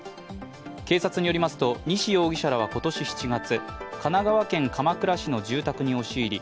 警察によりますと、西容疑者らは今年７月神奈川県鎌倉市の住宅に押し入り